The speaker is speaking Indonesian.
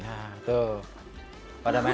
kalau di sini pada sempurna